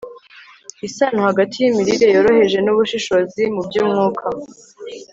isano hagati y'imirire yoroheje n'ubushishozi mu by'umwuka